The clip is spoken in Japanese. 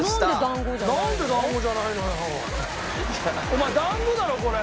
お前団子だろこれ！